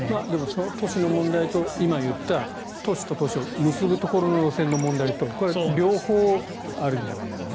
その都市の問題と今、言った都市と都市を結ぶところの路線の問題と両方あるんじゃないかな。